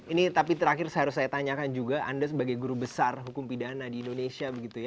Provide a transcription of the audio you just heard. ini tapi terakhir saya harus saya tanyakan juga anda sebagai guru besar hukum pidana di indonesia begitu ya